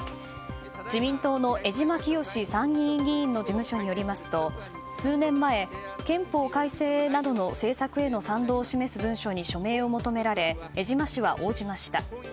自民党の江島潔参議院議員の事務所によりますと数年前、憲法改正などの政策への賛同を示す文書に署名を求められ江島氏は応じました。